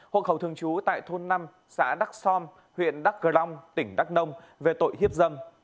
hộ khẩu thường trú tại thôn năm xã đắk xom huyện đắk cờ long tỉnh đắk nông về tội hiếp dân